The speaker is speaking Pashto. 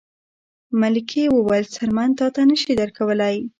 ملکې وویل څرمن تاته نه شي درکولی.